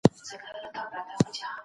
زه کولای سم منډه ووهم.